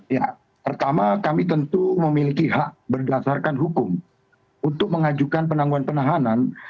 ya pertama kami tentu memiliki hak berdasarkan hukum untuk mengajukan penangguhan penahanan